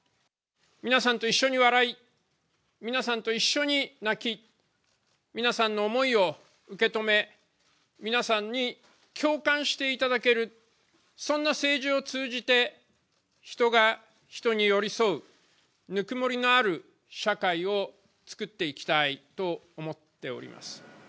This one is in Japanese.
皆さんと一緒に笑い、皆さんと一緒に泣き、皆さんの思いを受け止め、皆さんに共感していただける、そんな政治を通じて、人が人に寄り添う、ぬくもりのある社会をつくっていきたいと思っております。